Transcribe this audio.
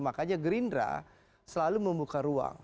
makanya gerindra selalu membuka ruang